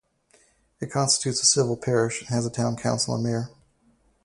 It constitutes a civil parish, and has a town council and mayor.